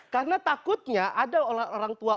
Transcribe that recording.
karena takutnya ada orang tua